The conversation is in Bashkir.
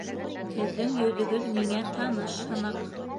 Һеҙҙең йөҙөгөҙ миңә таныш һымаҡ